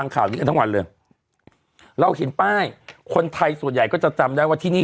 คนไทยส่วนใหญ่ก็จะจำได้ว่าที่นี่